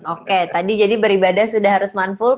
oke jadi tadi beribadah sudah harus mindfull